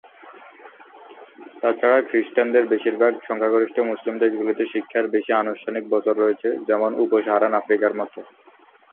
তাছাড়া খ্রিস্টানদের বেশিরভাগ সংখ্যাগরিষ্ঠ মুসলিম দেশগুলিতে শিক্ষার বেশি আনুষ্ঠানিক বছর রয়েছে, যেমন উপ-সাহারান আফ্রিকার মতো।